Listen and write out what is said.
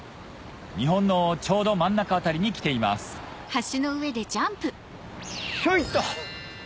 日本のちょうど真ん中辺りに来ていますひょいっと！